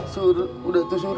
sur udah tuh sur